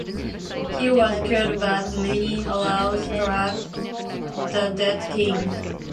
He was killed, but many arrows struck the dead King.